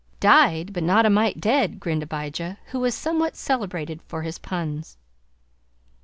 "Dyed, but not a mite dead," grinned Abijah, who was somewhat celebrated for his puns.